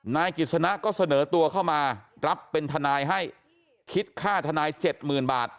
นายกิจสนะก็เสนอตัวเข้ามารับเป็นทนายให้คิดค่าทนายเจ็ดหมื่นบาท